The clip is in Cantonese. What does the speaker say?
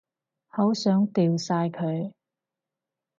好想掉晒佢